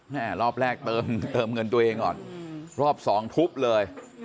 รอบแรกเติมเงินตัวเองก่อนรอบสองทุบเลย